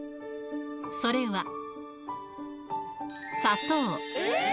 それは、砂糖。